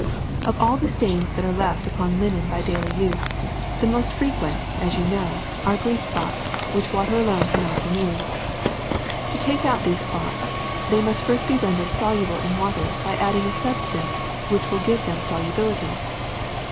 ^'Of all the stains that are left upon linen by daily use, the most frequent, as you know, are grease spots, which water alone cannot remove. To take out these spots they must first be rendered soluble in water by adding a substance which will give them solubility.